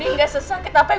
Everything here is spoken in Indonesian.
gue yang lebih sakit mbak